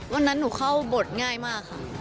วันนั้นหนูเข้าบทง่ายมากค่ะ